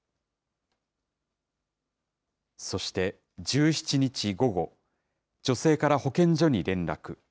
そして１７日午後、女性から保健所に連絡。